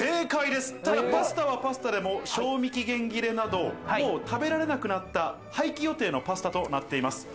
でもパスタはパスタでも賞味期限切れなど、もう食べられなくなった廃棄予定のパスタとなっています。